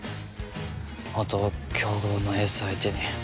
元強豪のエース相手に。